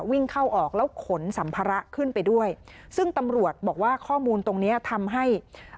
วิ่งเข้าออกแล้วขนสัมภาระขึ้นไปด้วยซึ่งตำรวจบอกว่าข้อมูลตรงเนี้ยทำให้